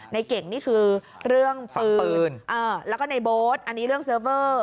ในเก่งนี่คือเรื่องปืนแล้วก็ในโบ๊ทอันนี้เรื่องเซิร์ฟเวอร์